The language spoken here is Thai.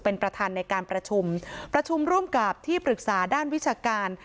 เป็นประธานในการประชุมประชุมร่วมกับที่ปรึกษาด้านวิชาการ